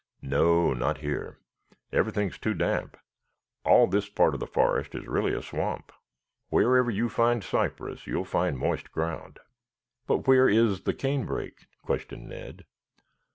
"No, not here. Everything is too damp. All this part of the forest is really a swamp. Wherever you find the cypress you will find moist ground." "But where is the canebrake?" questioned Ned.